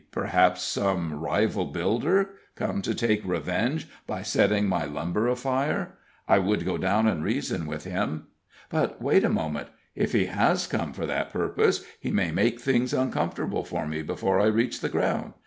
Perhaps some rival builder, come to take revenge by setting my lumber afire! I would go down and reason with him. But, wait a moment; if he has come for that purpose, he may make things uncomfortable for me before I reach the ground.